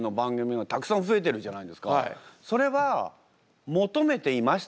それは求めていましたか？